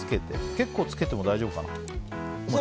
結構つけても大丈夫かな。